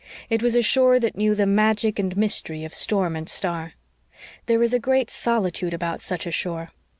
It was a shore that knew the magic and mystery of storm and star. There is a great solitude about such a shore.